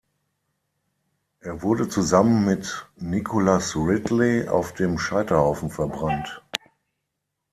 Er wurde zusammen mit Nicholas Ridley auf dem Scheiterhaufen verbrannt.